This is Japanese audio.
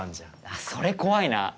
あっそれ怖いなあ。